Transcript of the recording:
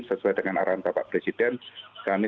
sesuai dengan arahan bapak presiden kami